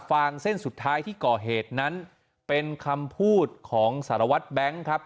ฟางเส้นสุดท้ายที่ก่อเหตุนั้นเป็นคำพูดของสารวัตรแบงค์ครับ